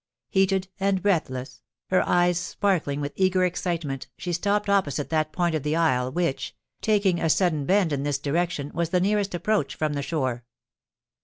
Heated and breathless, her eyes sparkling with eager excitement, she stopped opposite that point of the isle which, taking a sudden bend in this direction, was the nearest approach from the shore.